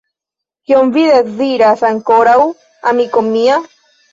Kion vi deziras ankoraŭ, amiko mia?